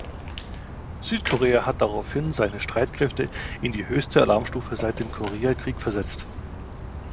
Südkorea hat daraufhin seine Streitkräfte in die höchste Alarmstufe seit dem Koreakrieg versetzt.